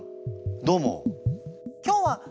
どうも。